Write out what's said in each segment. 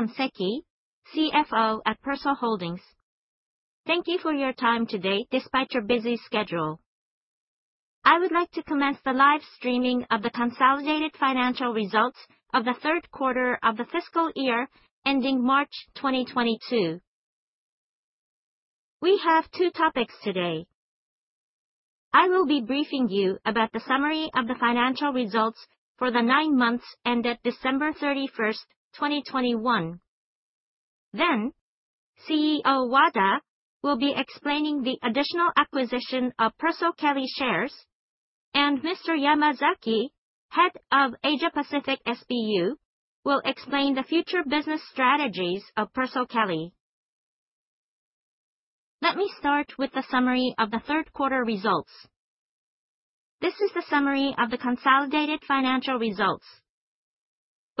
I am Seki, CFO at PERSOL HOLDINGS. Thank you for your time today despite your busy schedule. I would like to commence the live streaming of the consolidated financial results of the third quarter of the fiscal year ending March 2022. We have two topics today. I will be briefing you about the summary of the financial results for the nine months ended December 31, 2021. CEO Wada will be explaining the additional acquisition of PERSOLKELLY shares, and Mr. Yamazaki, Head of Asia Pacific SBU, will explain the future business strategies of PERSOLKELLY. Let me start with the summary of the third quarter results. This is the summary of the consolidated financial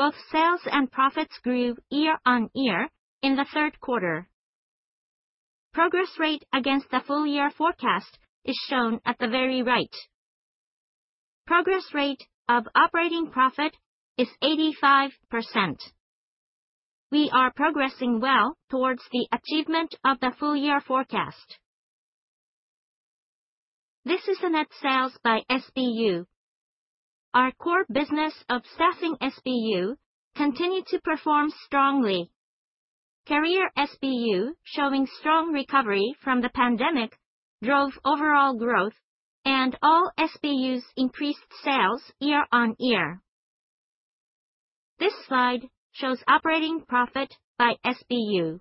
results. Both sales and profits grew year on year in the third quarter. Progress rate against the full year forecast is shown at the very right. Progress rate of operating profit is 85%. We are progressing well towards the achievement of the full year forecast. This is the net sales by SBU. Our core business of Staffing SBU continued to perform strongly. Career SBU, showing strong recovery from the pandemic, drove overall growth and all SBUs increased sales year-on-year. This slide shows operating profit by SBU.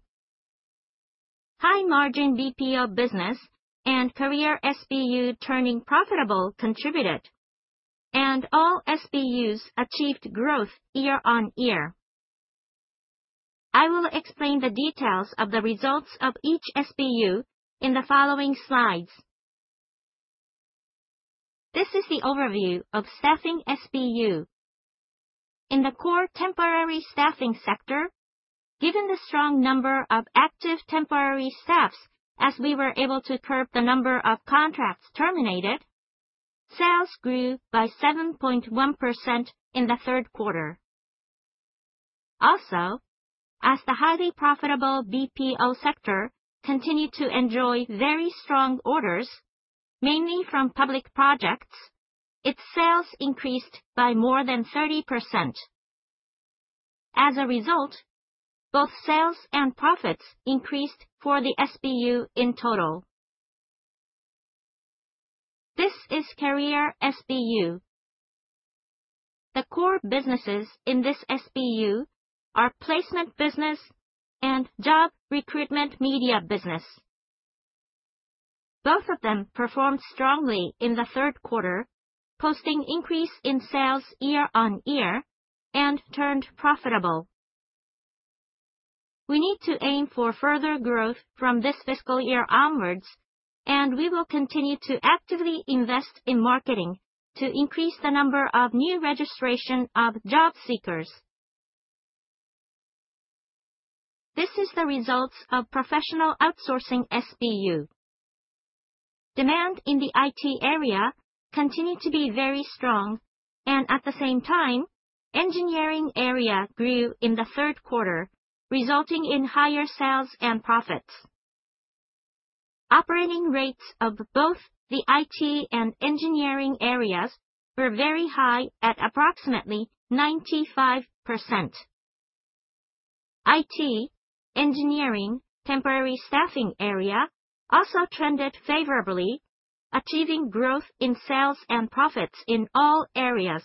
High-margin BPO business and Career SBU turning profitable contributed, and all SBUs achieved growth year-on-year. I will explain the details of the results of each SBU in the following slides. This is the overview of Staffing SBU. In the core temporary staffing sector, given the strong number of active temporary staffs as we were able to curb the number of contracts terminated, sales grew by 7.1% in the third quarter. As the highly profitable BPO sector continued to enjoy very strong orders, mainly from public projects, its sales increased by more than 30%. As a result, both sales and profits increased for the SBU in total. This is Career SBU. The core businesses in this SBU are placement business and job recruitment media business. Both of them performed strongly in the third quarter, posting an increase in sales year-on-year and turned profitable. We need to aim for further growth from this fiscal year onwards, and we will continue to actively invest in marketing to increase the number of new registration of job seekers. This is the results of Professional Outsourcing SBU. Demand in the IT area continued to be very strong and, at the same time, engineering area grew in the third quarter, resulting in higher sales and profits. Operating rates of both the IT and engineering areas were very high at approximately 95%. IT, engineering, temporary staffing area also trended favorably, achieving growth in sales and profits in all areas.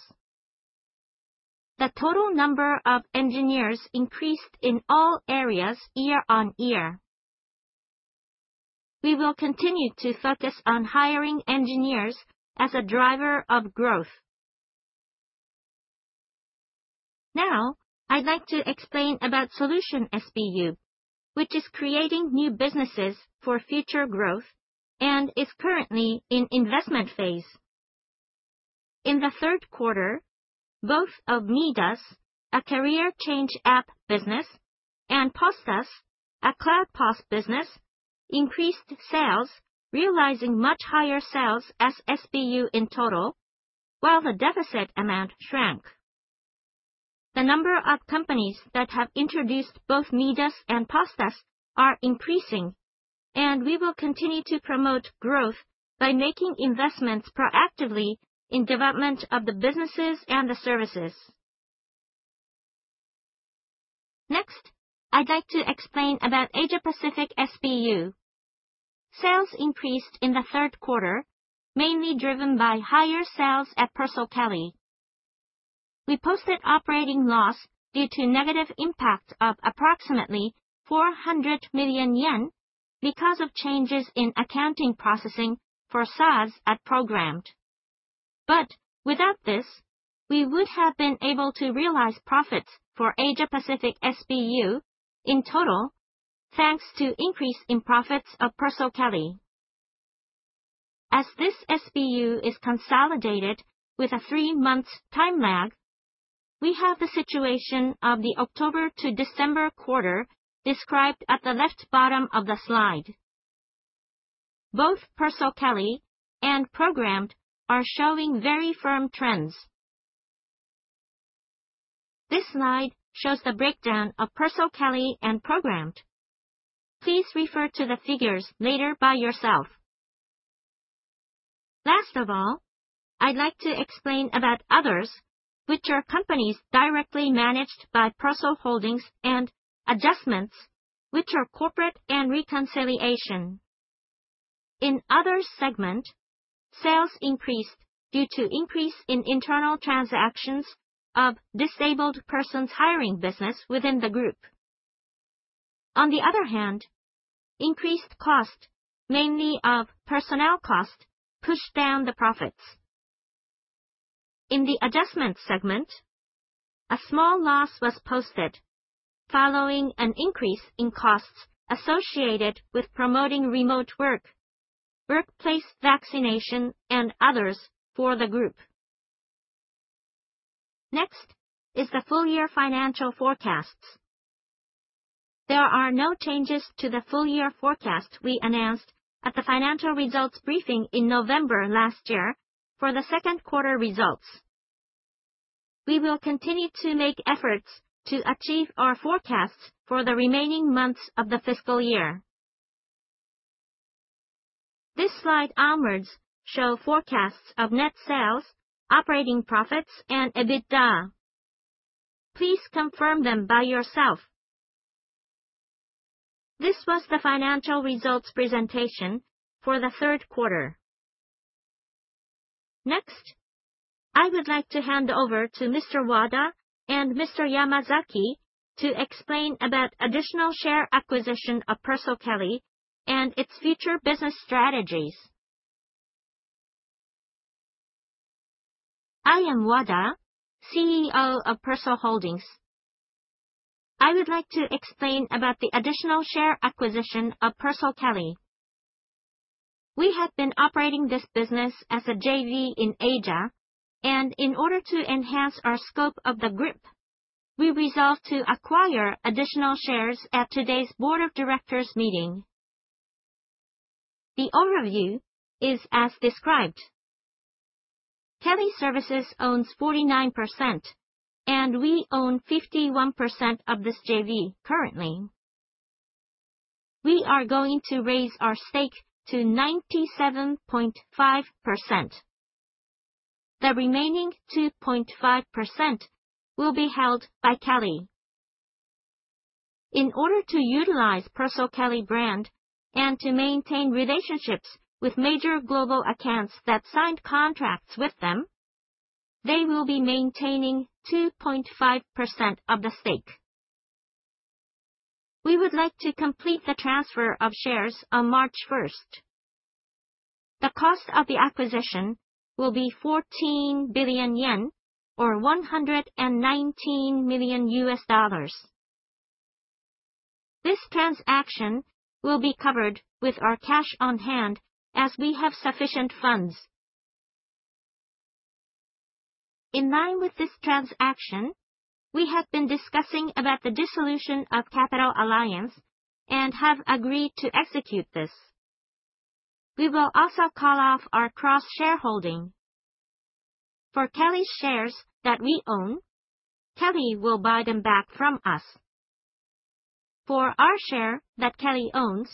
The total number of engineers increased in all areas year-on-year. We will continue to focus on hiring engineers as a driver of growth. Now I'd like to explain about Solution SBU, which is creating new businesses for future growth and is currently in investment phase. In the third quarter, both of MIIDAS, a career change app business, and POS+, a cloud POS+ business, increased sales, realizing much higher sales as SBU in total, while the deficit amount shrank. The number of companies that have introduced both MIIDAS and POS+ are increasing, and we will continue to promote growth by making investments proactively in development of the businesses and the services. Next, I'd like to explain about Asia Pacific SBU. Sales increased in the third quarter, mainly driven by higher sales at PERSOLKELLY. We posted operating loss due to negative impact of approximately 400 million yen because of changes in accounting processing for SaaS at Programmed. Without this, we would have been able to realize profits for Asia Pacific SBU in total, thanks to increase in profits of PERSOLKELLY. As this SBU is consolidated with a three-month time lag, we have the situation of the October to December quarter described at the left bottom of the slide. Both PERSOLKELLY and Programmed are showing very firm trends. This slide shows the breakdown of PERSOLKELLY and Programmed. Please refer to the figures later by yourself. Last of all, I'd like to explain about others, which are companies directly managed by PERSOL Holdings and adjustments, which are corporate and reconciliation. In others segment, sales increased due to increase in internal transactions of disabled persons hiring business within the group. On the other hand, increased cost, mainly of personnel cost, pushed down the profits. In the adjustment segment, a small loss was posted following an increase in costs associated with promoting remote work, workplace vaccination, and others for the group. Next is the full year financial forecasts. There are no changes to the full year forecast we announced at the financial results briefing in November last year for the second quarter results. We will continue to make efforts to achieve our forecasts for the remaining months of the fiscal year. This slide onwards show forecasts of net sales, operating profits, and EBITDA. Please confirm them by yourself. This was the financial results presentation for the third quarter. Next, I would like to hand over to Mr. Wada and Mr. Yamazaki to explain about additional share acquisition of PERSOLKELLY and its future business strategies. I am Wada, CEO of Persol Holdings. I would like to explain about the additional share acquisition of PERSOLKELLY. We have been operating this business as a JV in Asia, and in order to enhance our scope of the group, we resolved to acquire additional shares at today's board of directors meeting. The overview is as described. Kelly Services owns 49%, and we own 51% of this JV currently. We are going to raise our stake to 97.5%. The remaining 2.5% will be held by Kelly. In order to utilize PERSOLKELLY brand and to maintain relationships with major global accounts that signed contracts with them, they will be maintaining 2.5% of the stake. We would like to complete the transfer of shares on March first. The cost of the acquisition will be 14 billion yen or $119 million. This transaction will be covered with our cash on hand, as we have sufficient funds. In line with this transaction, we have been discussing about the dissolution of capital alliance and have agreed to execute this. We will also call off our cross-shareholding. For Kelly's shares that we own, Kelly will buy them back from us. For our share that Kelly owns,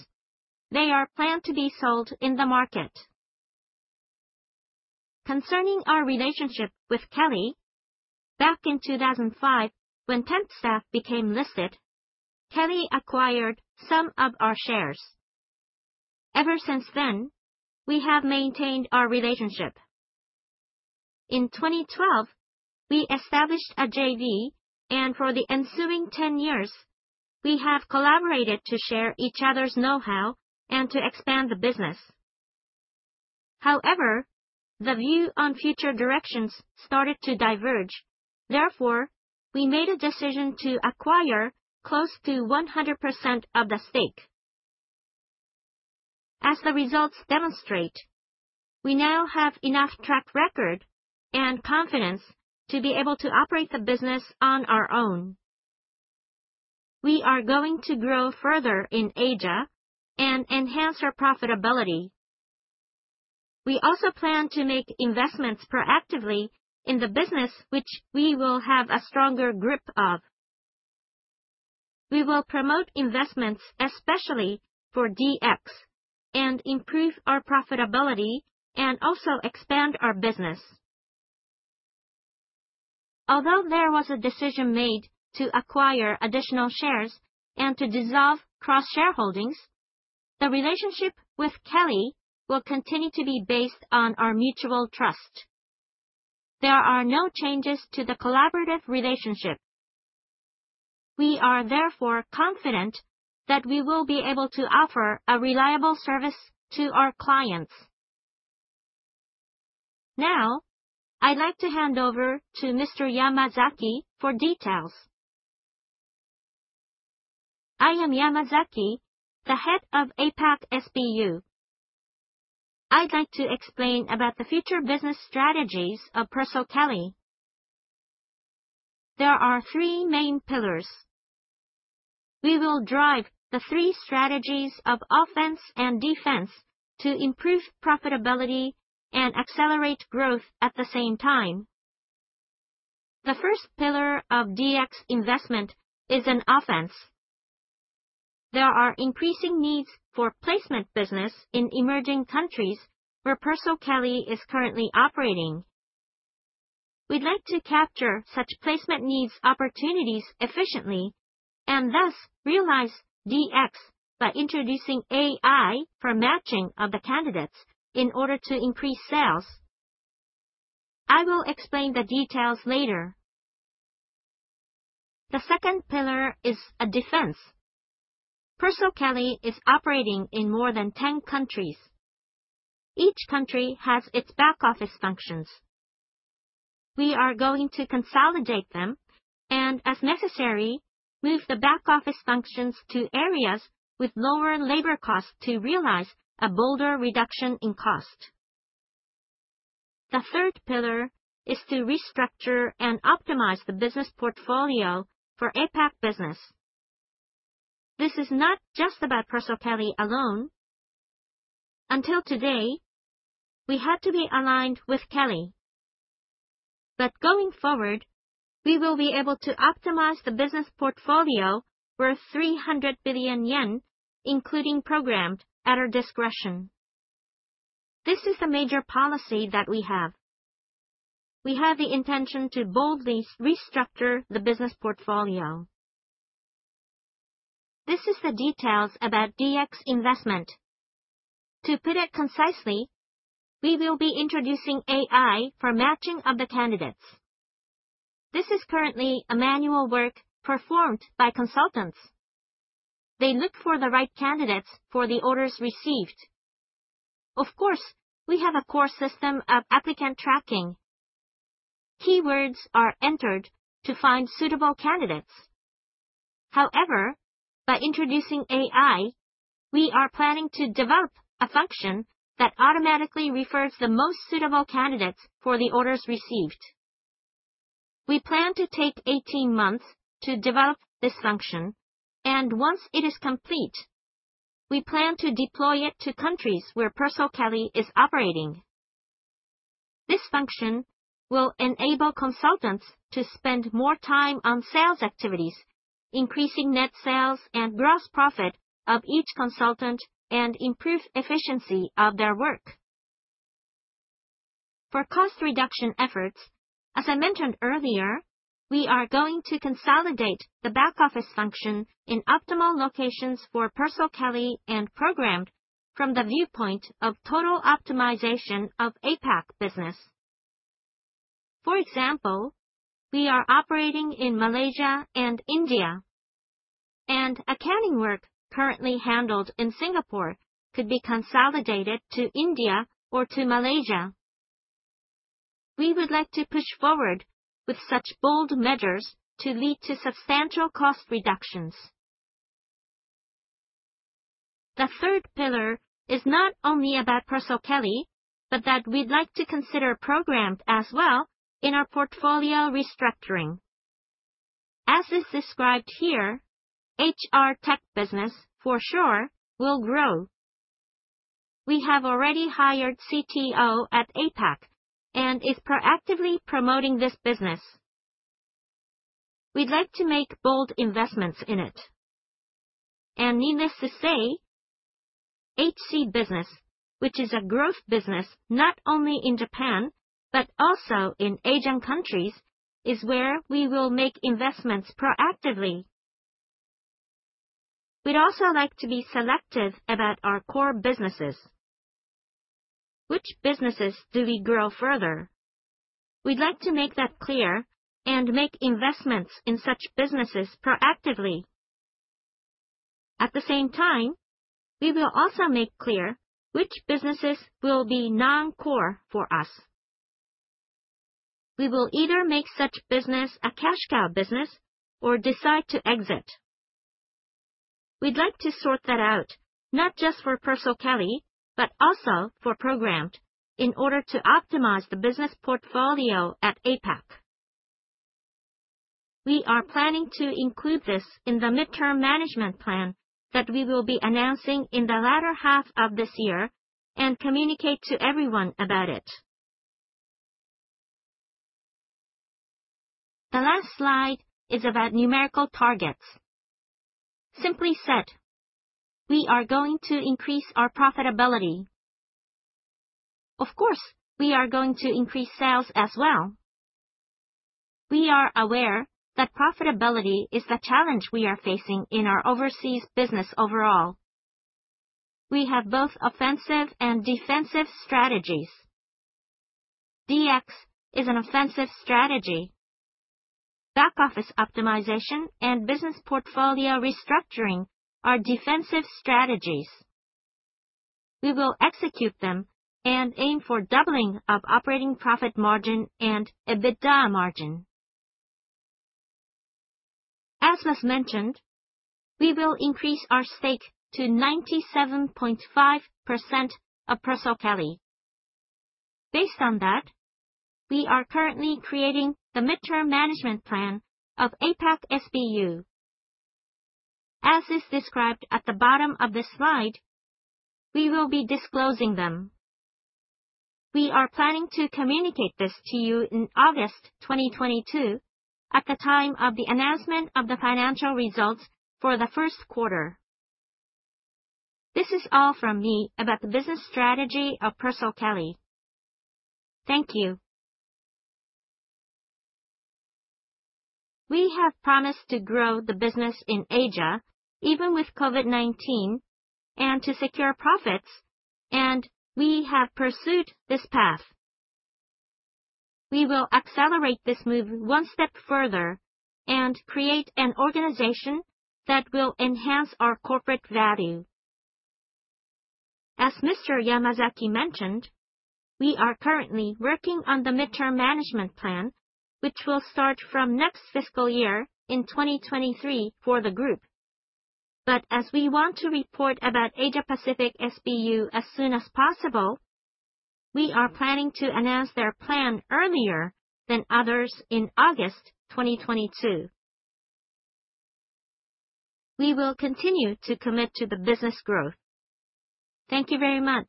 they are planned to be sold in the market. Concerning our relationship with Kelly, back in 2005, when Tempstaff became listed, Kelly acquired some of our shares. Ever since then, we have maintained our relationship. In 2012, we established a JV, and for the ensuing 10 years, we have collaborated to share each other's know-how and to expand the business. However, the view on future directions started to diverge. Therefore, we made a decision to acquire close to 100% of the stake. As the results demonstrate, we now have enough track record and confidence to be able to operate the business on our own. We are going to grow further in Asia and enhance our profitability. We also plan to make investments proactively in the business which we will have a stronger grip of. We will promote investments, especially for DX, and improve our profitability and also expand our business. Although there was a decision made to acquire additional shares and to dissolve cross-shareholdings, the relationship with Kelly will continue to be based on our mutual trust. There are no changes to the collaborative relationship. We are therefore confident that we will be able to offer a reliable service to our clients. Now I'd like to hand over to Mr. Yamazaki for details. I am Yamazaki, the head of APAC SBU. I'd like to explain about the future business strategies of PERSOLKELLY. there are three main pillars. We will drive the three strategies of offense and defense to improve profitability and accelerate growth at the same time. The first pillar of DX investment is an offense. There are increasing needs for placement business in emerging countries where PERSOLKELLY is currently operating. We'd like to capture such placement needs opportunities efficiently, and thus realize DX by introducing AI for matching of the candidates in order to increase sales. I will explain the details later. The second pillar is a defense. PERSOLKELLY is operating in more than 10 countries. Each country has its back office functions. We are going to consolidate them and, as necessary, move the back office functions to areas with lower labor costs to realize a bolder reduction in cost. The third pillar is to restructure and optimize the business portfolio for APAC business. This is not just about PERSOLKELLY alone. Until today, we had to be aligned with Kelly. Going forward, we will be able to optimize the business portfolio worth 300 billion yen, including Programmed, at our discretion. This is the major policy that we have. We have the intention to boldly restructure the business portfolio. This is the details about DX investment. To put it concisely, we will be introducing AI for matching of the candidates. This is currently a manual work performed by consultants. They look for the right candidates for the orders received. Of course, we have a core system of applicant tracking. Keywords are entered to find suitable candidates. However, by introducing AI, we are planning to develop a function that automatically refers the most suitable candidates for the orders received. We plan to take 18 months to develop this function and once it is complete, we plan to deploy it to countries where PERSOLKELLY is operating. This function will enable consultants to spend more time on sales activities, increasing net sales and gross profit of each consultant, and improve efficiency of their work. For cost reduction efforts, as I mentioned earlier, we are going to consolidate the back office function in optimal locations for PERSOLKELLY and Programmed from the viewpoint of total optimization of APAC business. For example, we are operating in Malaysia and India, and accounting work currently handled in Singapore could be consolidated to India or to Malaysia. We would like to push forward with such bold measures to lead to substantial cost reductions. The third pillar is not only about PERSOLKELLY, but that we'd like to consider Programmed as well in our portfolio restructuring. As is described here, HR tech business for sure will grow. We have already hired CTO at APAC and is proactively promoting this business. We'd like to make bold investments in it. Needless to say, HC business, which is a growth business not only in Japan, but also in Asian countries, is where we will make investments proactively. We'd also like to be selective about our core businesses. Which businesses do we grow further? We'd like to make that clear and make investments in such businesses proactively. At the same time, we will also make clear which businesses will be non-core for us. We will either make such business a cash cow business or decide to exit. We'd like to sort that out not just for PERSOLKELLY, but also for Programmed in order to optimize the business portfolio at APAC. We are planning to include this in the midterm management plan that we will be announcing in the latter half of this year and communicate to everyone about it. The last slide is about numerical targets. Simply said, we are going to increase our profitability. Of course, we are going to increase sales as well. We are aware that profitability is the challenge we are facing in our overseas business overall. We have both offensive and defensive strategies. DX is an offensive strategy. Back office optimization and business portfolio restructuring are defensive strategies. We will execute them and aim for doubling of operating profit margin and EBITDA margin. As was mentioned, we will increase our stake to 97.5% of PERSOLKELLY. Based on that, we are currently creating the midterm management plan of APAC SBU. As is described at the bottom of this slide, we will be disclosing them. We are planning to communicate this to you in August 2022 at the time of the announcement of the financial results for the first quarter. This is all from me about the business strategy of PERSOLKELLY. Thank you. We have promised to grow the business in Asia, even with COVID-19, and to secure profits, and we have pursued this path. We will accelerate this move one step further and create an organization that will enhance our corporate value. As Mr. Yamazaki mentioned, we are currently working on the midterm management plan, which will start from next fiscal year in 2023 for the group. As we want to report about Asia Pacific SBU as soon as possible, we are planning to announce their plan earlier than others in August 2022. We will continue to commit to the business growth. Thank you very much.